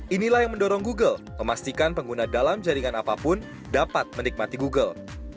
inilah yang mendorong google memastikan pengguna dalam jaringan apapun dapat menikmati google